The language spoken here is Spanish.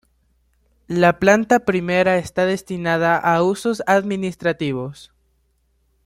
La planta primera está destinada a usos administrativos.